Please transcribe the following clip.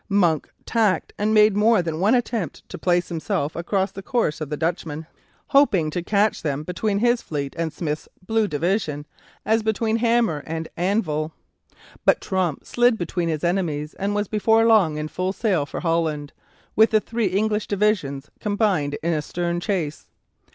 Monk tacked and made more than one attempt to place himself across the course of the Dutchmen, hoping to catch them between his fleet and Smith's Blue Division as between hammer and anvil. But Tromp slipped between his enemies and was before long in full sail for Holland, with the three English divisions combined in a stern chase.